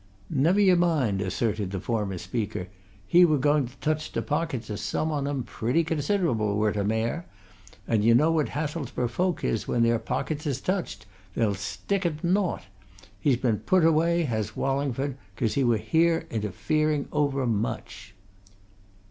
"Never ye mind!" asserted the former speaker. "He were going to touch t' pockets o' some on 'em, pretty considerable, were t' Mayor. And ye know what Hathelsborough folk is when their pockets is touched they'll stick at nowt! He's been put away, has Wallingford, 'cause he were interfering over much."